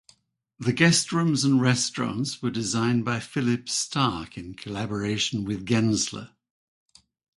The guest rooms and restaurants were designed by Philippe Starck in collaboration with Gensler.